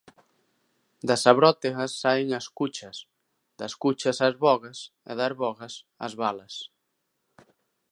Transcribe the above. Das abrótegas saen as cuchas, das cuchas as bogas e das bogas as balas